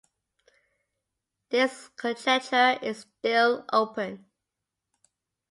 This conjecture is still open.